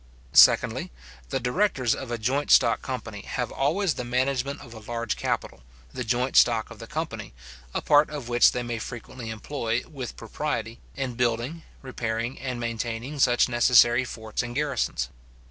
Secondly, The directors of a joint stock company have always the management of a large capital, the joint stock of the company, a part of which they may frequently employ, with propriety, in building, repairing, and maintaining such necessary forts and garrisons.